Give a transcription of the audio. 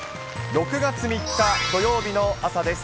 ６月３日土曜日の朝です。